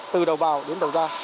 từ đầu vào đến đầu ra